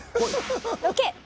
ロケ！